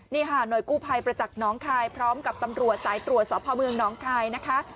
นี่ค่ะหน่วยกู้ภัยประจักษ์น้องคายพร้อมกับตำรวจสายตรวจสอบพ่อเมืองน้องคายนะคะ